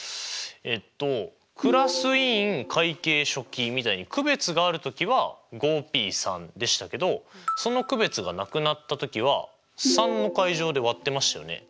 えっとクラス委員会計書記みたいに区別がある時はＰでしたけどその区別がなくなった時は３の階乗で割ってましたよね。